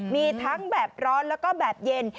มีทั้งแบบร้อนแล้วก็แบบเย็น